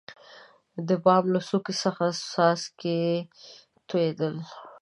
دبام له څوکي څخه څاڅکي تویدل.